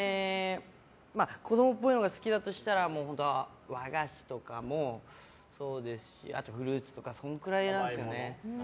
子供っぽいのが好きだとしたら和菓子とかもそうですしあとフルーツとかそのくらいですね。